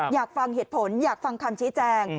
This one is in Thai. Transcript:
อยากฟังเหตุผลอยากฟังคำชี้แจง